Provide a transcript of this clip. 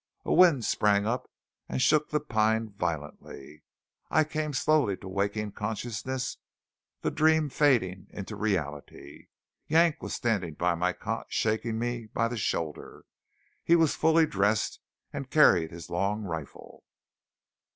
A wind sprang up and shook the pine violently. I came slowly to waking consciousness, the dream fading into reality. Yank was standing by my cot, shaking me by the shoulder. He was fully dressed, and carried his long rifle.